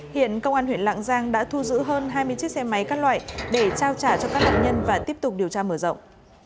hiện công an huyện lạng giang đã thu giữ hơn hai mươi chiếc xe máy các loại để trao trả cho các nạn nhân và tiếp tục điều tra mở rộng